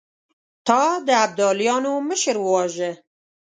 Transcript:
تا د ابداليانو مشر وواژه!